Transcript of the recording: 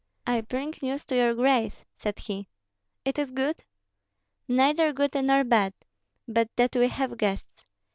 "I bring news to your grace," said he. "It is good?" "Neither good nor bad, but that we have guests.